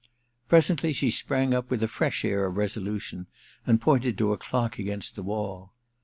Presently she sprang up with a fresh air of resolution, and pointed to a clock against the wall.